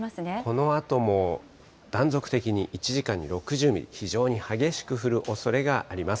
このあとも断続的に１時間に６０ミリ、非常に激しく降るおそれがあります。